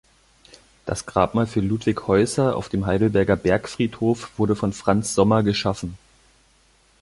Das Grabmal für Ludwig Häusser auf dem Heidelberger Bergfriedhof wurde von Franz Sommer geschaffen.